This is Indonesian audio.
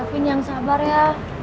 daffy yang sabar ya